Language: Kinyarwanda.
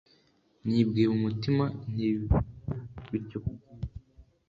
Nibwiye mu mutima nti Bimera bityo kubyiza